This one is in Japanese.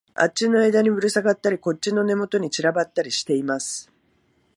あっちの枝にぶらさがったり、こっちの根元に散らばったりしています